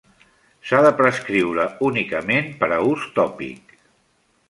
S'ha de prescriure únicament per a ús tòpic.